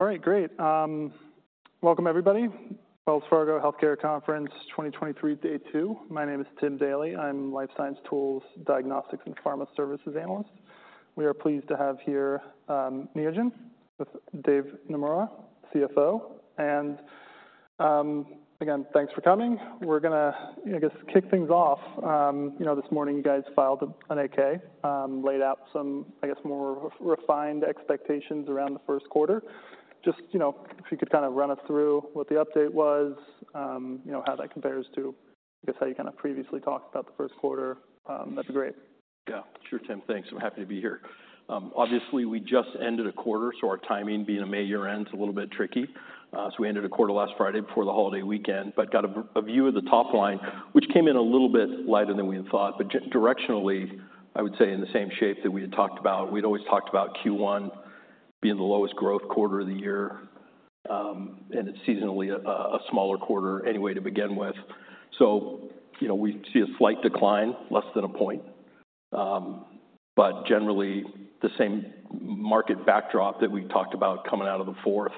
All right, great. Welcome, everybody. Wells Fargo Healthcare Conference 2023, day 2. My name is Tim Daley. I'm Life Science Tools, Diagnostics and Pharma Services Analyst. We are pleased to have here, with Dave Naemura, CFO. Again, thanks for coming. We're gonna, I guess, kick things off. You know, this morning you guys filed an 8-K, laid out some, I guess, more re-refined expectations around the first quarter. Just, you know, if you could kind of run us through what the update was, you know, how that compares to, I guess, how you kind of previously talked about the first quarter, that'd be great. Yeah, sure, Tim. Thanks. We're happy to be here. Obviously, we just ended a quarter, so our timing being a May year-end is a little bit tricky. So we ended a quarter last Friday before the holiday weekend, but got a view of the top line, which came in a little bit lighter than we had thought, but directionally, I would say in the same shape that we had talked about. We'd always talked about Q1 being the lowest growth quarter of the year, and it's seasonally a smaller quarter anyway to begin with. So, you know, we see a slight decline, less than a point, but generally, the same market backdrop that we talked about coming out of the fourth.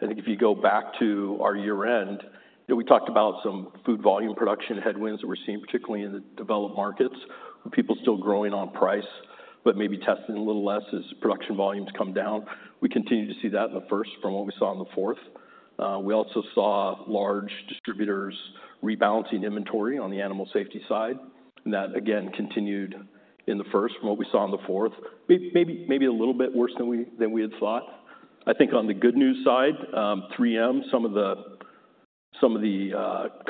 I think if you go back to our year-end, we talked about some food volume production headwinds that we're seeing, particularly in the developed markets, where people are still growing on price, but maybe testing a little less as production volumes come down. We continue to see that in the first from what we saw in the fourth. We also saw large distributors rebalancing inventory on the Animal Safety side, and that, again, continued in the first from what we saw in the fourth. Maybe a little bit worse than we had thought. I think on the good news side, 3M, some of the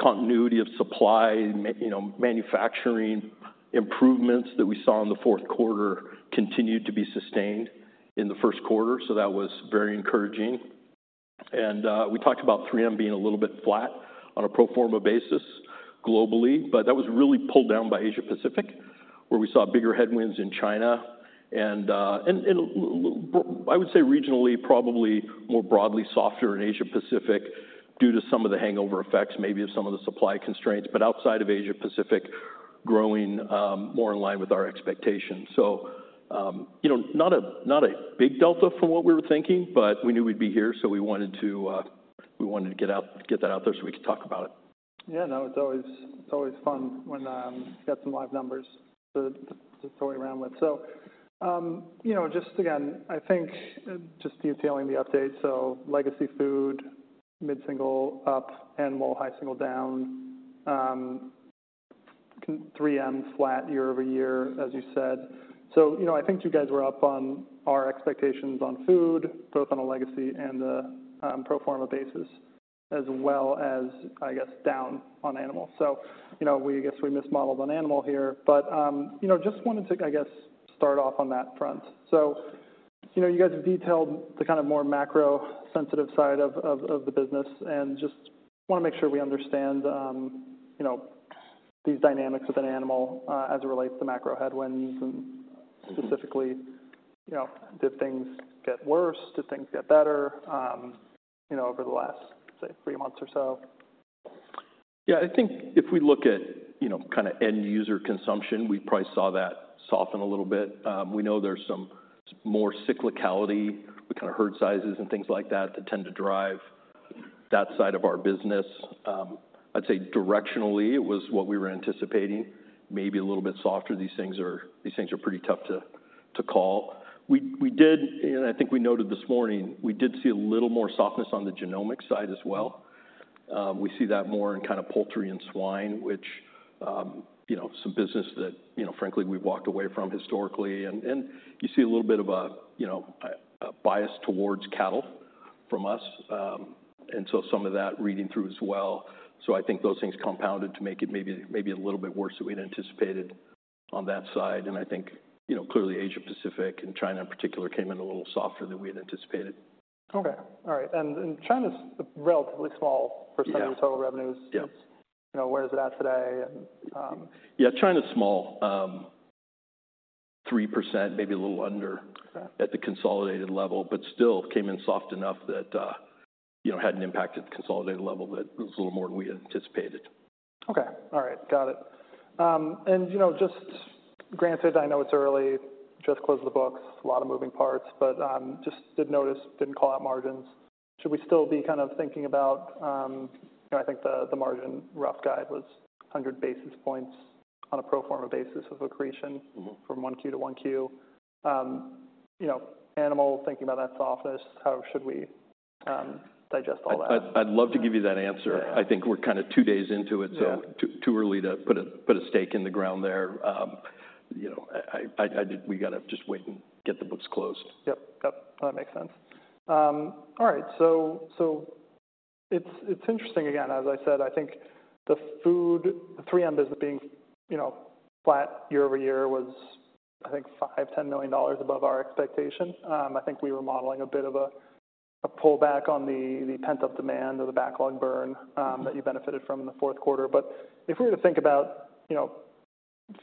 continuity of supply, you know, manufacturing improvements that we saw in the fourth quarter continued to be sustained in the first quarter, so that was very encouraging. We talked about 3M being a little bit flat on a pro forma basis globally, but that was really pulled down by Asia Pacific, where we saw bigger headwinds in China and I would say regionally, probably more broadly softer in Asia Pacific due to some of the hangover effects, maybe of some of the supply constraints, but outside of Asia Pacific, growing more in line with our expectations. So, you know, not a big delta from what we were thinking, but we knew we'd be here, so we wanted to get that out there so we could talk about it. Yeah, no, it's always, it's always fun when you got some live numbers to toy around with. So, you know, just again, I think just detailing the update, so legacy food, mid-single up, animal high single down, combined 3M flat year-over-year, as you said. So, you know, I think you guys were up on our expectations on food, both on a legacy and a pro forma basis, as well as, I guess, down on animal. So, you know, we guess we mismodeled on animal here, but you know, just wanted to, I guess, start off on that front. So, you know, you guys have detailed the kind of more macro sensitive side of the business, and just want to make sure we understand, you know, these dynamics within animal as it relates to macro headwinds and- Mm-hmm... specifically, you know, did things get worse? Did things get better, you know, over the last, say, three months or so? Yeah, I think if we look at, you know, kind of end user consumption, we probably saw that soften a little bit. We know there's some more cyclicality with kind of herd sizes and things like that, that tend to drive that side of our business. I'd say directionally, it was what we were anticipating, maybe a little bit softer. These things are pretty tough to call. We did, and I think we noted this morning, we did see a little more softness on the genomic side as well. We see that more in kind of poultry and swine, which, you know, some business that, you know, frankly, we've walked away from historically. And you see a little bit of a, you know, a bias towards cattle from us. And so some of that reading through as well. So I think those things compounded to make it maybe, maybe a little bit worse than we'd anticipated on that side. And I think, you know, clearly, Asia Pacific and China in particular, came in a little softer than we had anticipated. Okay. All right. And then China's relatively small- Yeah... percentage of total revenues. Yeah. You know, where is it at today, and- Yeah, China's small. 3%, maybe a little under- Okay... at the consolidated level, but still came in soft enough that, you know, had an impact at the consolidated level that was a little more than we had anticipated. Okay. All right. Got it. And, you know, just granted, I know it's early, just closed the books, a lot of moving parts, but just did notice, didn't call out margins. Should we still be kind of thinking about, you know, I think the margin rough guide was 100 basis points on a pro forma basis of accretion- Mm-hmm... from one Q to one Q. You know, animal, thinking about that softness, how should we digest all that? I'd love to give you that answer. Yeah. I think we're kind of two days into it- Yeah... so too early to put a stake in the ground there. You know, we got to just wait and get the books closed. Yep. Yep, that makes sense. All right. So, it's interesting. Again, as I said, I think the food, the 3M business being, you know, flat year-over-year was, I think, $5-$10 million above our expectations. I think we were modeling a bit of a pullback on the pent-up demand or the backlog burn that you benefited from in the fourth quarter. But if we were to think about, you know,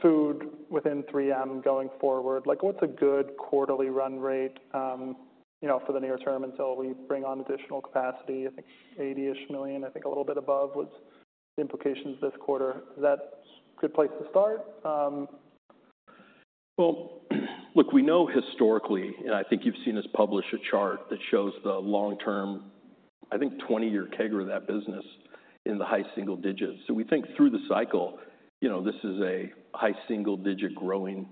food within 3M going forward, like, what's a good quarterly run rate, you know, for the near term until we bring on additional capacity? I think $80 million-ish, I think a little bit above, was the implications this quarter. Is that a good place to start?... Well, look, we know historically, and I think you've seen us publish a chart that shows the long-term, I think, 20-year CAGR of that business in the high single digits. So we think through the cycle, you know, this is a high single-digit growing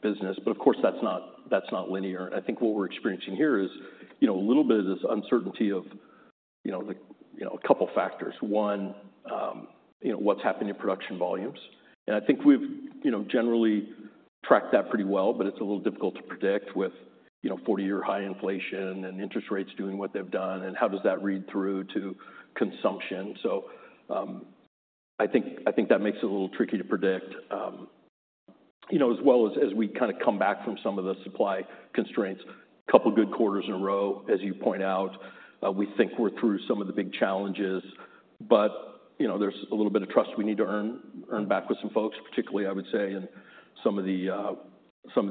business. But of course, that's not, that's not linear. And I think what we're experiencing here is, you know, a little bit of this uncertainty of, you know, like, you know, a couple of factors. One, you know, what's happening in production volumes. And I think we've, you know, generally tracked that pretty well, but it's a little difficult to predict with, you know, 40-year high inflation and interest rates doing what they've done, and how does that read through to consumption? So, I think, I think that makes it a little tricky to predict. You know, as well as, as we kind of come back from some of the supply constraints, a couple of good quarters in a row, as you point out, we think we're through some of the big challenges, but, you know, there's a little bit of trust we need to earn back with some folks, particularly, I would say, in some of the, some of the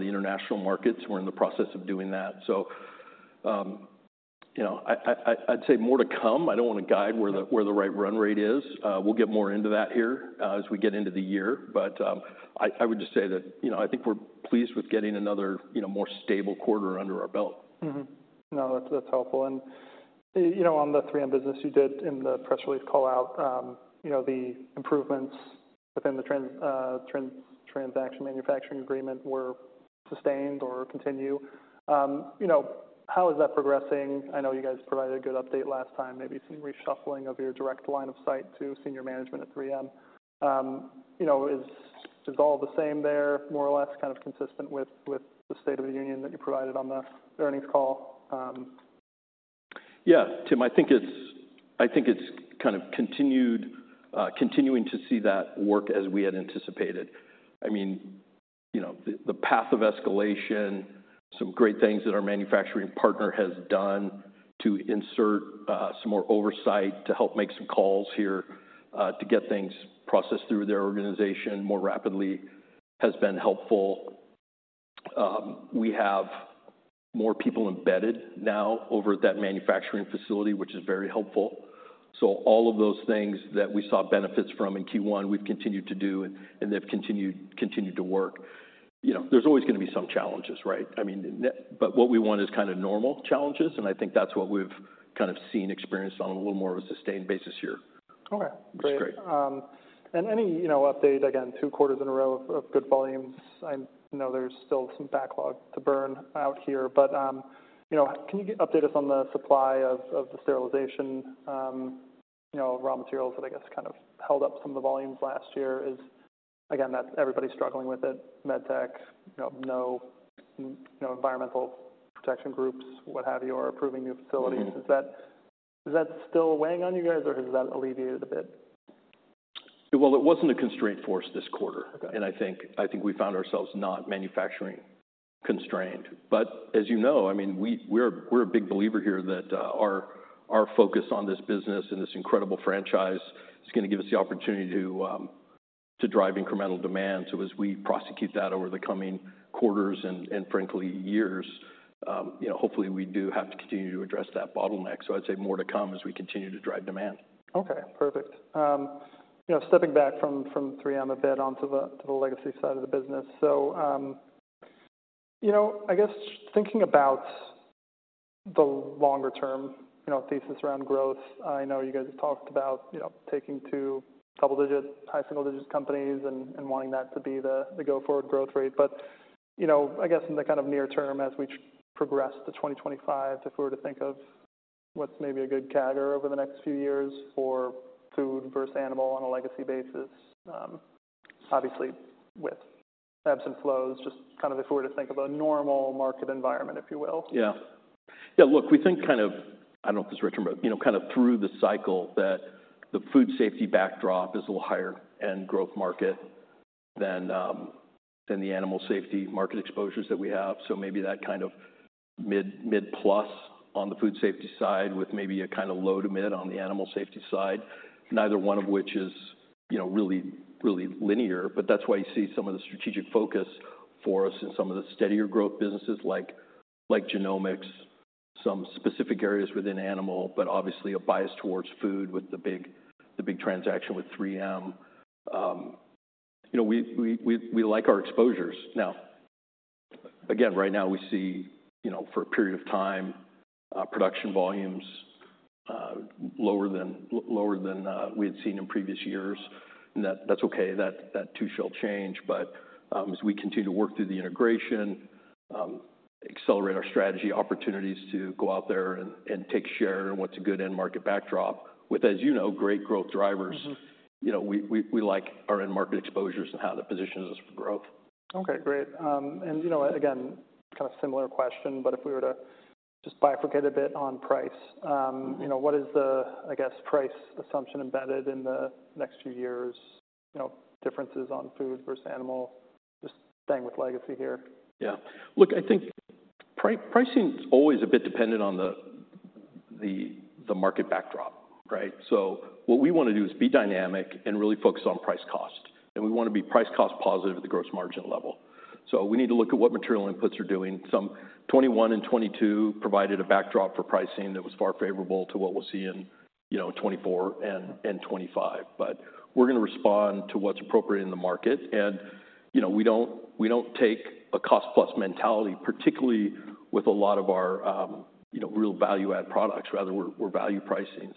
international markets. We're in the process of doing that. So, you know, I, I'd say more to come. I don't want to guide where the right run rate is. We'll get more into that here, as we get into the year. But, I would just say that, you know, I think we're pleased with getting another, you know, more stable quarter under our belt. Mm-hmm. No, that's, that's helpful. You know, on the 3M business you did in the press release call out, you know, the improvements within the Transition Manufacturing Agreement were sustained or continue. You know, how is that progressing? I know you guys provided a good update last time, maybe some reshuffling of your direct line of sight senior management at 3M. You know, is, is all the same there, more or less kind of consistent with, with the state of the union that you provided on the earnings call? Yeah, Tim, I think it's kind of continued, continuing to see that work as we had anticipated. I mean, you know, the path of escalation, some great things that our manufacturing partner has done to insert some more oversight to help make some calls here to get things processed through their organization more rapidly, has been helpful. We have more people embedded now over at that manufacturing facility, which is very helpful. So all of those things that we saw benefits from in Q1, we've continued to do, and they've continued to work. You know, there's always going to be some challenges, right? I mean, but what we want is kind of normal challenges, and I think that's what we've kind of seen, experienced on a little more of a sustained basis here. Okay, great. That's great. Any, you know, update, again, two quarters in a row of, of good volumes. I know there's still some backlog to burn out here, but, you know, can you update us on the supply of, of the sterilization, you know, raw materials that I guess kind of held up some of the volumes last year is, again, that's everybody's struggling with it. Medtech, you know, no, no environmental protection groups, what have you, are approving new facilities. Mm-hmm. Is that, is that still weighing on you guys, or has that alleviated a bit? Well, it wasn't a constraint force this quarter. Okay. And I think, I think we found ourselves not manufacturing constrained. But as you know, I mean, we're a big believer here that our focus on this business and this incredible franchise is going to give us the opportunity to to drive incremental demand. So as we prosecute that over the coming quarters and frankly, years, you know, hopefully, we do have to continue to address that bottleneck. So I'd say more to come as we continue to drive demand. Okay, perfect. You know, stepping back from 3M a bit onto the legacy side of the business. So, you know, I guess thinking about the longer-term, you know, thesis around growth, I know you guys have talked about, you know, taking to double-digit, high single-digit companies and wanting that to be the go-forward growth rate. But, you know, I guess in the kind of near term, as we progress to 2025, if we were to think of what's maybe a good CAGR over the next few years for food versus animal on a legacy basis, obviously with ebbs and flows, just kind of if we were to think of a normal market environment, if you will. Yeah. Yeah, look, we think kind of... I don't know if it's rich or move, you know, kind of through the cycle, that the Food Safety backdrop is a little higher and growth market than, than the Animal Safety market exposures that we have. So maybe that kind of mid, mid-plus on the Food Safety side, with maybe a kind of low to mid on the Animal Safety side, neither one of which is, you know, really, really linear. But that's why you see some of the strategic focus for us in some of the steadier growth businesses like, like genomics, some specific areas within animal, but obviously a bias towards food with the big, the big transaction with 3M. You know, we like our exposures. Now, again, right now we see, you know, for a period of time, production volumes lower than we had seen in previous years. And that, that's okay. That, that too, shall change. But, as we continue to work through the integration, accelerate our strategy, opportunities to go out there and take share what's a good end-market backdrop with, as you know, great growth drivers. Mm-hmm. You know, we like our end-market exposures and how that positions us for growth. Okay, great. And you know, again, kind of similar question, but if we were to just bifurcate a bit on price, you know, what is the, I guess, price assumption embedded in the next few years, you know, differences on food versus animal? Just staying with legacy here. Yeah. Look, I think pricing is always a bit dependent on the market backdrop, right? So what we want to do is be dynamic and really focus on price cost, and we want to be price cost positive at the gross margin level. So we need to look at what material inputs are doing. Some 2021 and 2022 provided a backdrop for pricing that was far favorable to what we'll see in, you know, 2024 and 2025. But we're gonna respond to what's appropriate in the market, and, you know, we don't take a cost plus mentality, particularly with a lot of our, you know, real value-add products. Rather, we're value pricing.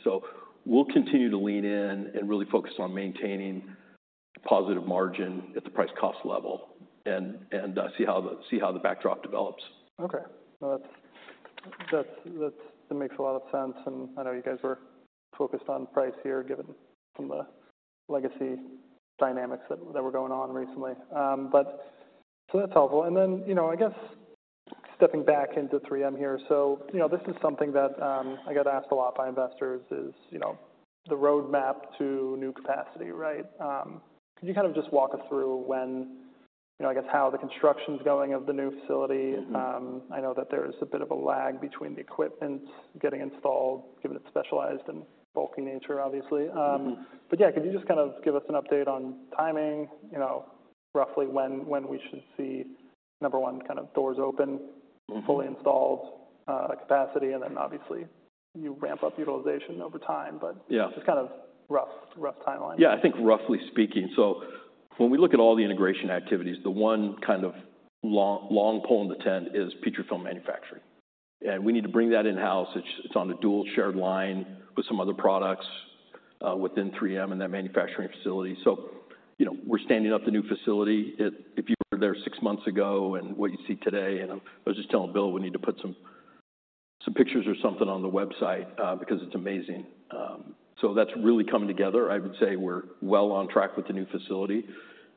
We'll continue to lean in and really focus on maintaining positive margin at the price cost level and see how the backdrop develops. Okay. Well, that's—that makes a lot of sense, and I know you guys were focused on price here, given some of the legacy dynamics that, that were going on recently. But so that's helpful. And then, you know, I guess stepping back into 3M here, so, you know, this is something that, I get asked a lot by investors is, you know, the roadmap to new capacity, right? Can you kind of just walk us through when, you know, I guess, how the construction's going of the new facility? Mm-hmm. I know that there is a bit of a lag between the equipment getting installed, given its specialized and bulky nature, obviously. Mm-hmm. But yeah, could you just kind of give us an update on timing, you know, roughly when, when we should see, number one, kind of doors open- Mm-hmm... fully installed, capacity, and then obviously, you ramp up utilization over time. But- Yeah Just kind of rough, rough timeline. Yeah, I think roughly speaking. So when we look at all the integration activities, the one kind of long, long pole in the tent is Petrifilm manufacturing, and we need to bring that in-house. It's on a dual shared line with some other products within 3M in that manufacturing facility. So, you know, we're standing up the new facility. If you were there six months ago and what you see today, and I was just telling Bill we need to put some pictures or something on the website because it's amazing. So that's really coming together. I would say we're well on track with the new facility.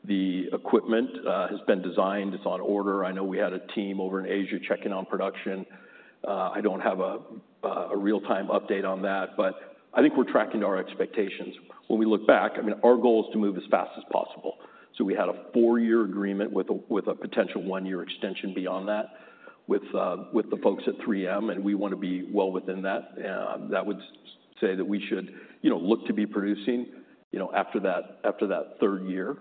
The equipment has been designed. It's on order. I know we had a team over in Asia checking on production. I don't have a real-time update on that, but I think we're tracking to our expectations. When we look back, I mean, our goal is to move as fast as possible. So we had a four-year agreement with a potential one-year extension beyond that with the folks at 3M, and we want to be well within that. That would say that we should, you know, look to be producing, you know, after that, after that third year,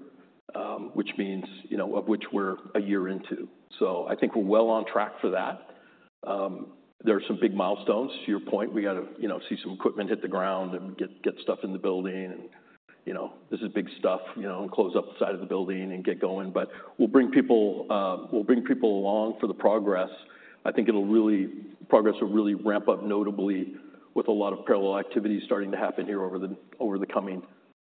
which means, you know, of which we're a year into. So I think we're well on track for that. There are some big milestones. To your point, we got to, you know, see some equipment hit the ground and get, get stuff in the building, and, you know, this is big stuff, you know, and close up the side of the building and get going. But we'll bring people, we'll bring people along for the progress. I think it'll really progress will really ramp up notably with a lot of parallel activities starting to happen here over the, over the coming,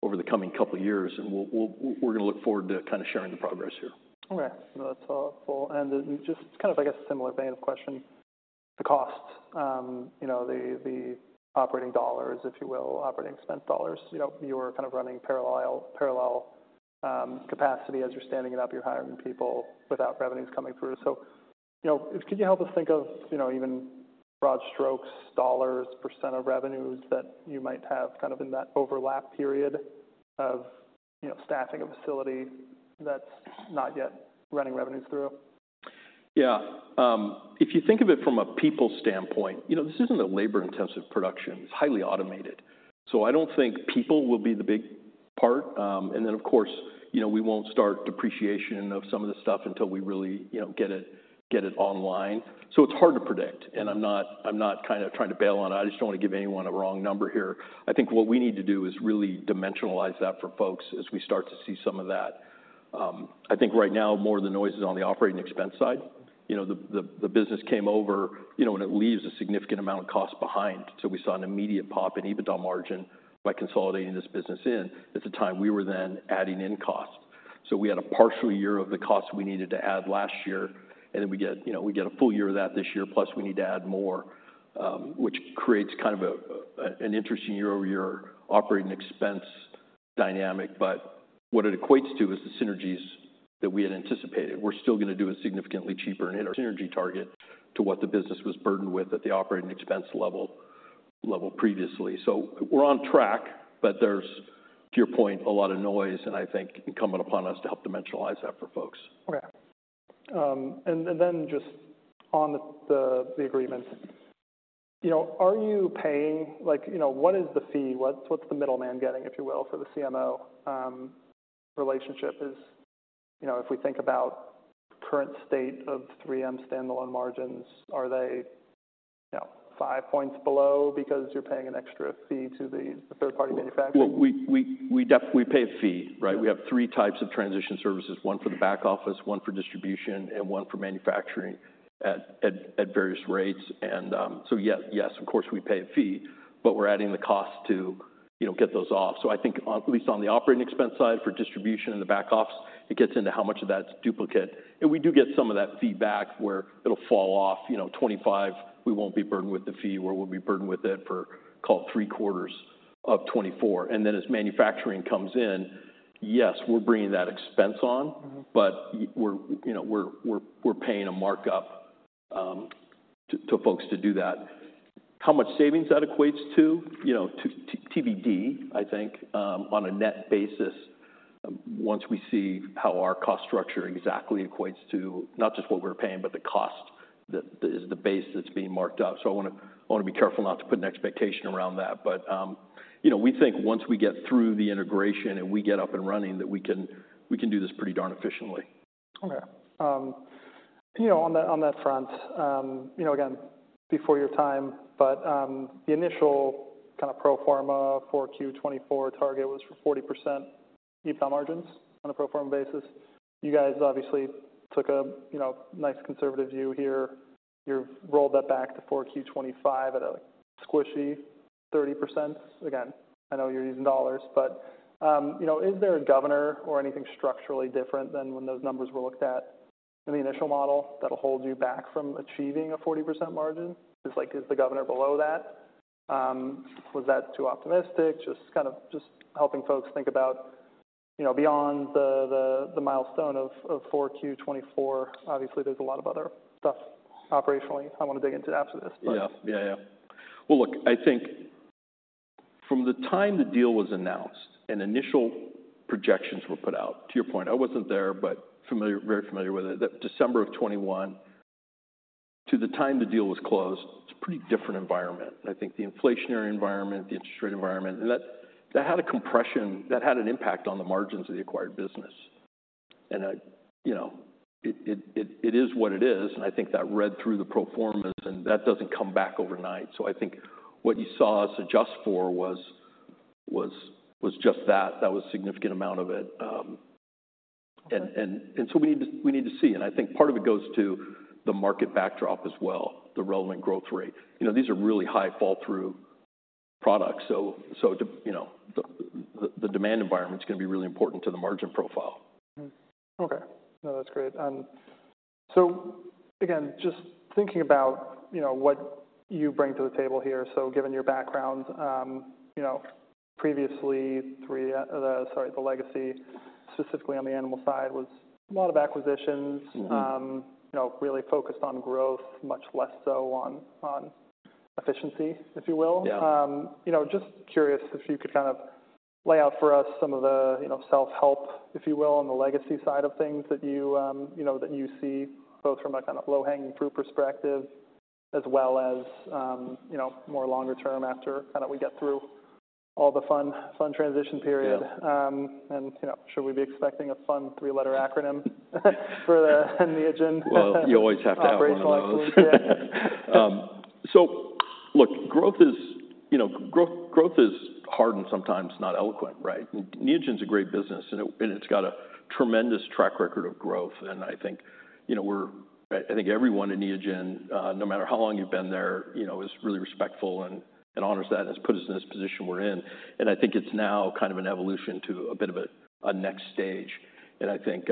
over the coming couple of years, and we'll, we'll we're gonna look forward to kind of sharing the progress here. Okay. Well, that's helpful. And then just kind of, I guess, a similar vein of question, the cost, you know, the operating dollars, if you will, operating expense dollars. You know, you are kind of running parallel capacity as you're standing it up. You're hiring people without revenues coming through. So, you know, could you help us think of, you know, even broad strokes, dollars, percent of revenues that you might have kind of in that overlap period of, you know, staffing a facility that's not yet running revenues through? Yeah. If you think of it from a people standpoint, you know, this isn't a labor-intensive production. It's highly automated, so I don't think people will be the big part. And then, of course, you know, we won't start depreciation of some of the stuff until we really, you know, get it, get it online. So it's hard to predict, and I'm not, I'm not kind of trying to bail on it. I just don't want to give anyone a wrong number here. I think what we need to do is really dimensionalize that for folks as we start to see some of that. I think right now, more of the noise is on the operating expense side. You know, the, the, the business came over, you know, and it leaves a significant amount of cost behind. So we saw an immediate pop in EBITDA margin by consolidating this business in. At the time, we were then adding in cost, so we had a partial year of the cost we needed to add last year, and then we get, you know, we get a full year of that this year, plus we need to add more, which creates kind of an interesting year-over-year operating expense dynamic. But what it equates to is the synergies that we had anticipated. We're still gonna do it significantly cheaper and hit our synergy target to what the business was burdened with at the operating expense level previously. So we're on track, but there's, to your point, a lot of noise, and I think incumbent upon us to help dimensionalize that for folks. Okay. And then just on the agreement, you know, are you paying... Like, you know, what is the fee? What's the middleman getting, if you will, for the CMO relationship? You know, if we think about current state of 3M standalone margins, are they, you know, five points below because you're paying an extra fee to the third-party manufacturer? Well, we pay a fee, right? Yeah. We have three types of transition services: one for the back office, one for distribution, and one for manufacturing at various rates. Yeah, yes, of course, we pay a fee, but we're adding the cost to, you know, get those off. So I think at least on the operating expense side for distribution and the back office, it gets into how much of that's duplicate. And we do get some of that fee back where it'll fall off. You know, 2025, we won't be burdened with the fee, or we'll be burdened with it for, call it three-quarters of 2024. And then as manufacturing comes in, yes, we're bringing that expense on- Mm-hmm... but you know, we're paying a markup to folks to do that. How much savings that equates to, you know, TBD, I think, on a net basis, once we see how our cost structure exactly equates to not just what we're paying, but the cost that is the base that's being marked up. So I want to be careful not to put an expectation around that. But you know, we think once we get through the integration and we get up and running, that we can do this pretty darn efficiently. Okay. You know, on that, on that front, you know, again, before your time, but, the initial kind of pro forma for Q 2024 target was for 40% EBITDA margins on a pro formabasis. You guys obviously took a, you know, nice conservative view here. You've rolled that back to 4Q 2025 at a squishy 30%. Again, I know you're using dollars, but, you know, is there a governor or anything structurally different than when those numbers were looked at in the initial model that'll hold you back from achieving a 40% margin? It's like, is the governor below that? Was that too optimistic? Just kind of, just helping folks think about, you know, beyond the, the, the milestone of, of 4Q 2024. Obviously, there's a lot of other stuff operationally I want to dig into after this, but- Yeah. Yeah, yeah. Well, look, I think from the time the deal was announced and initial projections were put out, to your point, I wasn't there, but familiar- very familiar December 2021 to the time the deal was closed, it's a pretty different environment. I think the inflationary environment, the interest rate environment, and that, that had a compression-- that had an impact on the margins of the acquired business. And I... You know, it, it, it is what it is, and I think that read through the pro forma, and that doesn't come back overnight. So I think what you saw us adjust for was, was, was just that. That was a significant amount of it. And, and, and so we need to, we need to see, and I think part of it goes to the market backdrop as well, the relevant growth rate. You know, these are really high fall through products. You know, the demand environment is going to be really important to the margin profile. Mm-hmm. Okay. No, that's great. So again, just thinking about, you know, what you bring to the table here. So given your background, you know, the legacy, specifically on the animal side, was a lot of acquisitions. Mm-hmm. You know, really focused on growth, much less so on efficiency, if you will. Yeah. You know, just curious if you could kind of lay out for us some of the, you know, self-help, if you will, on the legacy side of things that you, you know, that you see both from a kind of low-hanging fruit perspective as well as, you know, more longer term after kind of we get through all the fun, fun transition period? Yeah. you know, should we be expecting a fun three-letter acronym for the Neogen? Well, you always have to have one of those. Operational excellence. Yeah. So look, growth is, you know, growth, growth is hard and sometimes not eloquent, right? Neogen's a great business, and it, and it's got a tremendous track record of growth. And I think, you know, we're-- I think everyone in Neogen, no matter how long you've been there, you know, is really respectful and, and honors that and has put us in this position we're in. And I think it's now kind of an evolution to a bit of a, a next stage. And I think,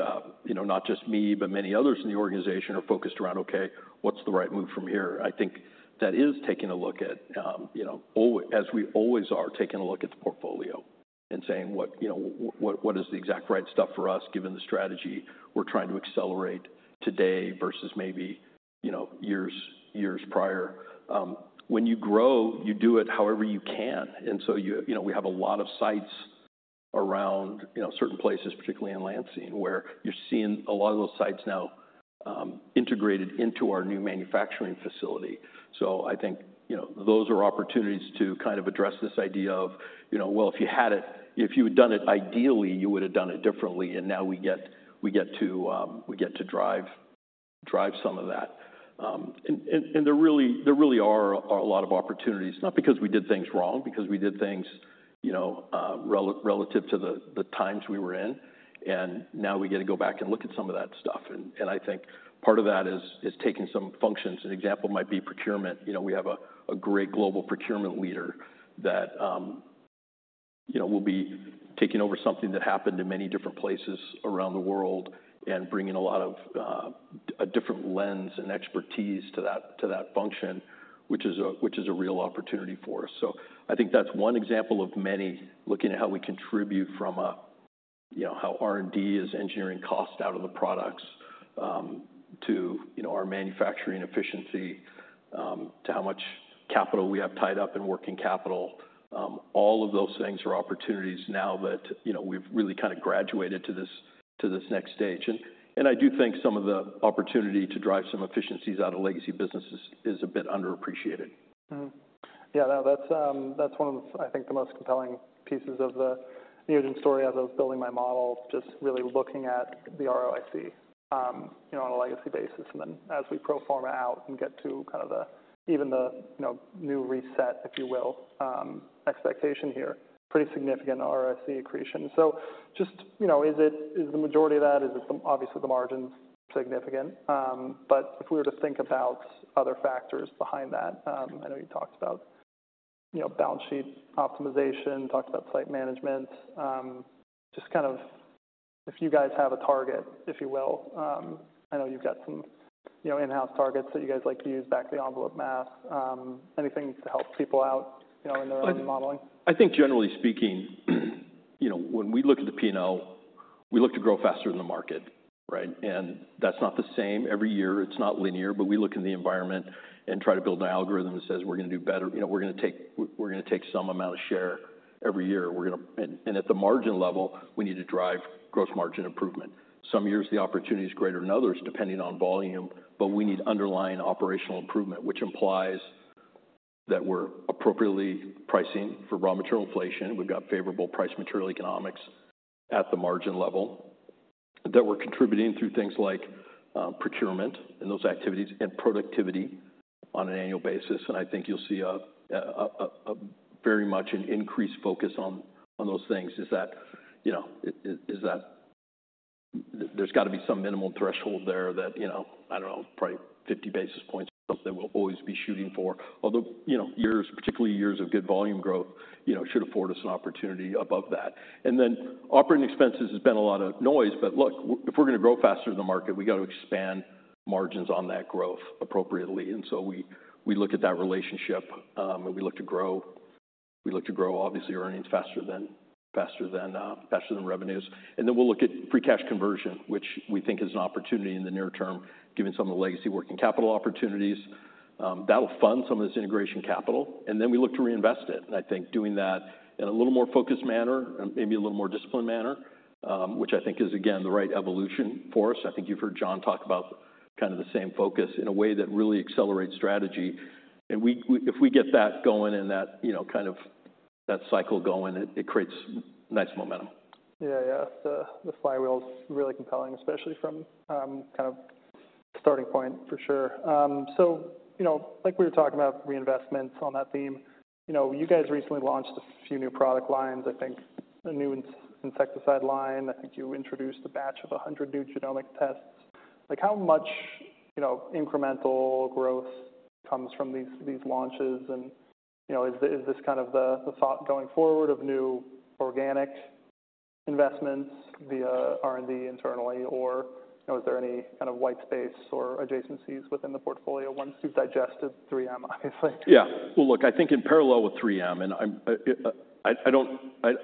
you know, not just me, but many others in the organization are focused around, okay, what's the right move from here? I think that is taking a look at, you know, always as we always are, taking a look at the portfolio and saying, what, you know, what, what is the exact right stuff for us, given the strategy we're trying to accelerate today versus maybe, you know, years, years prior? When you grow, you do it however you can. And so you, you know, we have a lot of sites around, you know, certain places, particularly in Lansing, where you're seeing a lot of those sites now, integrated into our new manufacturing facility. So I think, you know, those are opportunities to kind of address this idea of, you know, well, if you had done it ideally, you would have done it differently, and now we get to drive some of that. And there really are a lot of opportunities, not because we did things wrong, because we did things, you know, relative to the times we were in. And now we get to go back and look at some of that stuff, and I think part of that is taking some functions. An example might be procurement. You know, we have a great global procurement leader that will be taking over something that happened in many different places around the world and bringing a lot of a different lens and expertise to that function, which is a real opportunity for us. So I think that's one example of many, looking at how we contribute from a, you know, how R&D is engineering cost out of the products, to, you know, our manufacturing efficiency, to how much capital we have tied up in working capital. All of those things are opportunities now that, you know, we've really kind of graduated to this, to this next stage. And, and I do think some of the opportunity to drive some efficiencies out of legacy businesses is a bit underappreciated. Mm-hmm. Yeah, that's, that's one of, I think, the most compelling pieces of the Neogen story as I was building my model, just really looking at the ROIC, you know, on a legacy basis. And then as we pro forma out and get to kind of the... even the, you know, new reset, if you will, expectation here, pretty significant ROIC accretion. So just, you know, is it- is the majority of that, is it the-- obviously, the margins significant. But if we were to think about other factors behind that, I know you talked about, you know, balance sheet optimization, talked about site management. Just kind of if you guys have a target, if you will. I know you've got some, you know, in-house targets that you guys like to use, back-of-the-envelope math. Anything to help people out, you know, in their own modeling? I think generally speaking, you know, when we look at the P&L, we look to grow faster than the market, right? And that's not the same every year. It's not linear, but we look in the environment and try to build an algorithm that says we're going to do better. You know, we're going to take- we're going to take some amount of share every year. We're going to- and at the margin level, we need to drive gross margin improvement. Some years, the opportunity is greater than others, depending on volume, but we need underlying operational improvement, which implies that we're appropriately pricing for raw material inflation. We've got favorable price material economics at the margin level, that we're contributing through things like procurement and those activities and productivity on an annual basis. And I think you'll see very much an increased focus on those things, you know, there's got to be some minimal threshold there that, you know, I don't know, probably 50 basis points or something we'll always be shooting for. Although, you know, years, particularly years of good volume growth, you know, should afford us an opportunity above that. And then operating expenses has been a lot of noise. But look, if we're gonna grow faster than the market, we got to expand margins on that growth appropriately. And so we look at that relationship, and we look to grow, we look to grow, obviously, earnings faster than revenues. And then we'll look at free cash conversion, which we think is an opportunity in the near term, given some of the legacy working capital opportunities. That will fund some of this integration capital, and then we look to reinvest it. And I think doing that in a little more focused manner and maybe a little more disciplined manner, which I think is, again, the right evolution for us. I think you've heard John talk about kind of the same focus in a way that really accelerates strategy. And we if we get that going and that, you know, kind of that cycle going, it creates nice momentum. Yeah, yeah. The, the flywheel's really compelling, especially from kind of starting point, for sure. So, you know, like we were talking about reinvestments on that theme. You know, you guys recently launched a few new product lines, I think a new insecticide line. I think you introduced a batch of 100 new genomic tests. Like, how much, you know, incremental growth comes from these, these launches? And, you know, is, is this kind of the, the thought going forward of new organic investments via R&D internally, or, you know, is there any kind of white space or adjacencies within the portfolio once you've digested 3M, obviously? Yeah. Well, look, I think in parallel with 3M, and I'm... I don't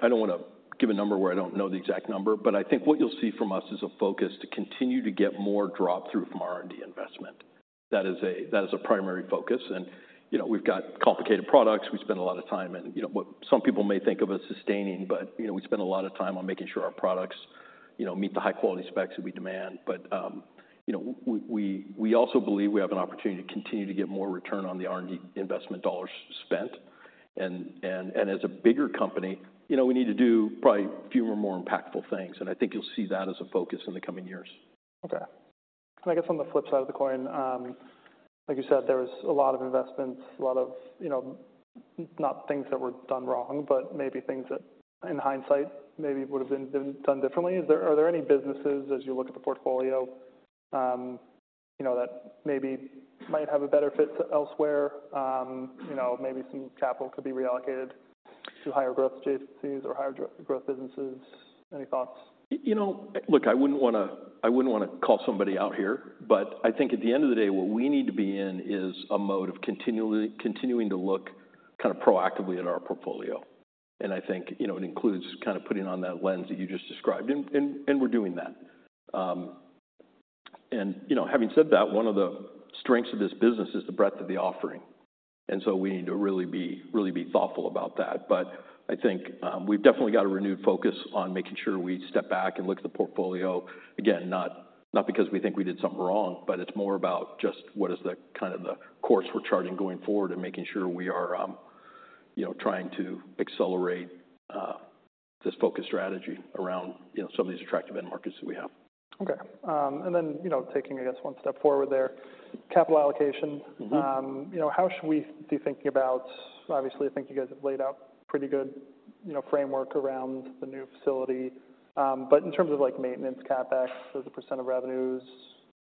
want to give a number where I don't know the exact number, but I think what you'll see from us is a focus to continue to get more drop through from our R&D investment. That is a primary focus. And, you know, we've got complicated products. We spend a lot of time and, you know, what some people may think of as sustaining, but, you know, we spend a lot of time on making sure our products, you know, meet the high-quality specs that we demand. But, you know, we also believe we have an opportunity to continue to get more return on the R&D investment dollars spent. As a bigger company, you know, we need to do probably fewer, more impactful things, and I think you'll see that as a focus in the coming years. Okay. And I guess on the flip side of the coin, like you said, there was a lot of investments, a lot of, you know, not things that were done wrong, but maybe things that, in hindsight, maybe would have been done differently. Are there any businesses, as you look at the portfolio, you know, that maybe might have a better fit elsewhere? You know, maybe some capital could be reallocated to higher growth adjacencies or higher growth businesses. Any thoughts? You know, look, I wouldn't wanna call somebody out here, but I think at the end of the day, what we need to be in is a mode of continually continuing to look kind of proactively at our portfolio. And I think, you know, it includes kind of putting on that lens that you just described, and we're doing that. And, you know, having said that, one of the strengths of this business is the breadth of the offering, and so we need to really be, really be thoughtful about that. But I think, we've definitely got a renewed focus on making sure we step back and look at the portfolio. Again, not, not because we think we did something wrong, but it's more about just what is the kind of the course we're charging going forward and making sure we are, you know, trying to accelerate this focus strategy around, you know, some of these attractive end markets that we have. Okay. And then, you know, taking, I guess, one step forward there, capital allocation. Mm-hmm. You know, how should we be thinking about... Obviously, I think you guys have laid out pretty good, you know, framework around the new facility. But in terms of, like, maintenance, CapEx, as a % of revenues,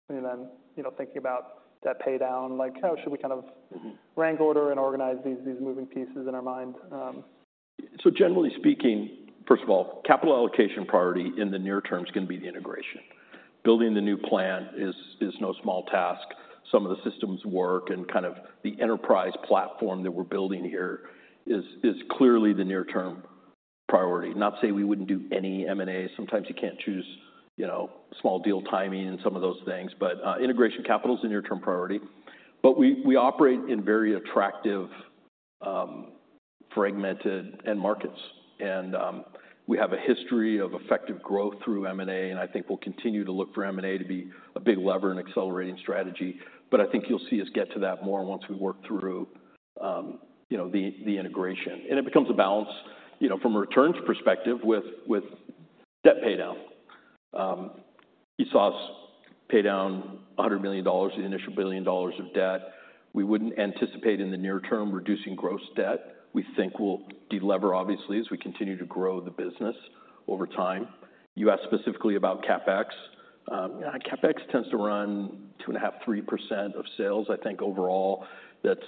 and then, you know, thinking about debt paydown, like how should we kind of- Mm-hmm... rank, order, and organize these, these moving pieces in our mind? So generally speaking, first of all, capital allocation priority in the near term is going to be the integration. Building the new plant is no small task. Some of the systems work and kind of the enterprise platform that we're building here is clearly the near-term priority. Not to say we wouldn't do any M&A. Sometimes you can't choose, you know, small deal timing and some of those things, but integration capital is a near-term priority. But we operate in very attractive fragmented end markets, and we have a history of effective growth through M&A, and I think we'll continue to look for M&A to be a big lever in accelerating strategy. But I think you'll see us get to that more once we work through, you know, the integration. It becomes a balance, you know, from a returns perspective with debt paydown. You saw us pay down $100 million, the initial $1 billion of debt. We wouldn't anticipate in the near term, reducing gross debt. We think we'll delever, obviously, as we continue to grow the business over time. You asked specifically about CapEx. CapEx tends to run 2.5%-3% of sales. I think overall that's,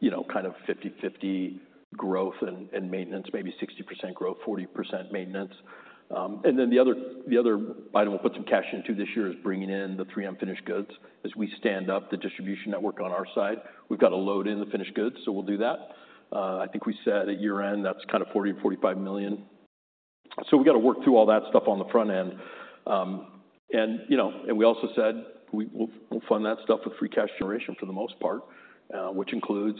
you know, kind of 50/50 growth and maintenance. Maybe 60% growth, 40% maintenance. And then the other item we'll put some cash into this year is bringing in the 3M finished goods. As we stand up the distribution network on our side, we've got to load in the finished goods, so we'll do that. I think we said at year-end, that's kind of $40 million-$45 million. So we've got to work through all that stuff on the front end. And, you know, we also said we'll fund that stuff with free cash generation for the most part, which includes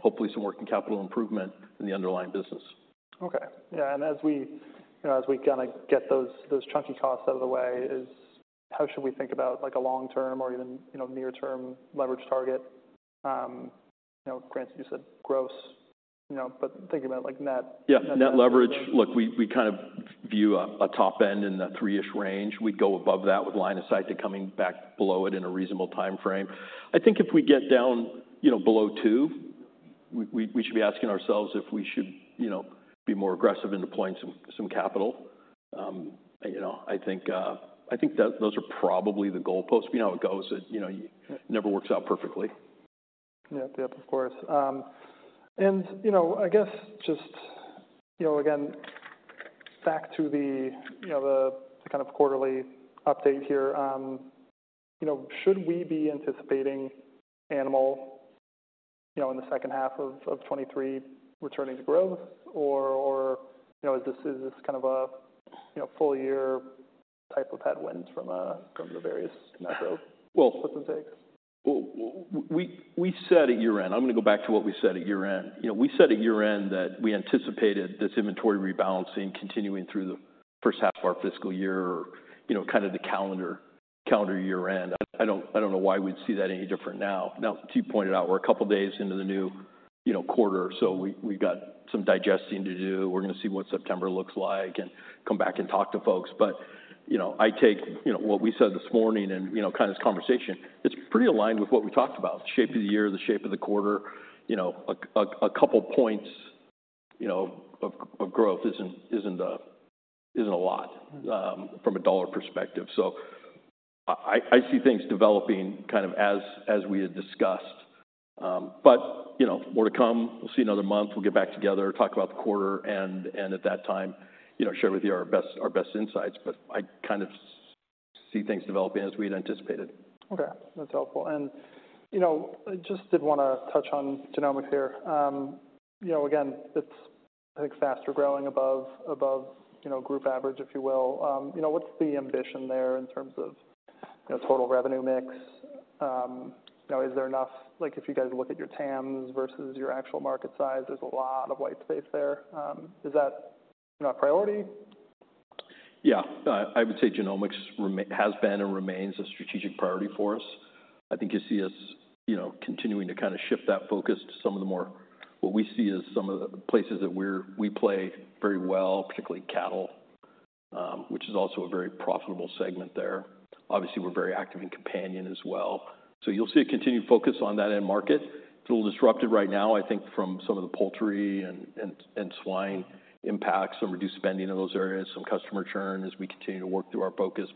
hopefully some working capital improvement in the underlying business. Okay. Yeah, and as we, you know, as we kind of get those, those chunky costs out of the way, how should we think about, like, a long-term or even, you know, near-term leverage target? You know, granted you said gross, you know, but thinking about, like, net. Yeah, net leverage. Look, we kind of view a top end in the three-ish range. We'd go above that with line of sight to coming back below it in a reasonable timeframe. I think if we get down, you know, below two, we should be asking ourselves if we should, you know, be more aggressive in deploying some capital. You know, I think that those are probably the goalposts. You know how it goes, you know, never works out perfectly. Yeah. Yep, of course. And, you know, I guess just, you know, again, back to the, you know, the kind of quarterly update here. You know, should we be anticipating animal, you know, in the second half of 2023 returning to growth? Or, you know, is this kind of a full year type of headwinds from the various macro- Well- gives and takes? Well, we said at year-end. I'm going to go back to what we said at year-end. You know, we said at year-end that we anticipated this inventory rebalancing continuing through the first half of our fiscal year or, you know, kind of the calendar year-end. I don't know why we'd see that any different now. Now, as you pointed out, we're a couple of days into the new quarter, so we've got some digesting to do. We're going to see what September looks like and come back and talk to folks. But, you know, I take what we said this morning and, you know, kind of this conversation, it's pretty aligned with what we talked about, the shape of the year, the shape of the quarter. You know, a couple points, you know, of growth isn't a lot from a dollar perspective. So I see things developing kind of as we had discussed. But, you know, more to come. We'll see another month, we'll get back together, talk about the quarter, and at that time, you know, share with you our best insights. But I kind of see things developing as we'd anticipated. Okay, that's helpful. And, you know, I just did want to touch on genomics here. You know, again, it's, I think, faster-growing above you know, group average, if you will. You know, what's the ambition there in terms of, you know, Total Revenue mix? You know, is there enough like, if you guys look at your TAMs versus your actual market size, there's a lot of white space there. Is that, you know, a priority? Yeah. I would say genomics has been and remains a strategic priority for us. I think you see us, you know, continuing to kind of shift that focus to some of the more... what we see as some of the places that we play very well, particularly cattle, which is also a very profitable segment there. Obviously, we're very active in companion as well, so you'll see a continued focus on that end market. It's a little disrupted right now, I think from some of the poultry and, and, and swine impacts, some reduced spending in those areas, some customer churn as we continue to work through our focus.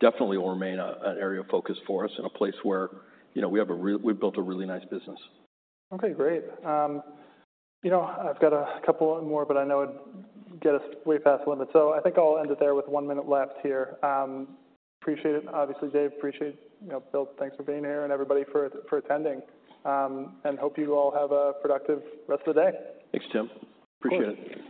Definitely will remain an area of focus for us and a place where, you know, we've built a really nice business. Okay, great. You know, I've got a couple more, but I know it'd get us way past limit, so I think I'll end it there with one minute left here. Appreciate it. Obviously, Dave, appreciate, you know, Bill, thanks for being here and everybody for attending, and hope you all have a productive rest of the day. Thanks, Tim. Appreciate it.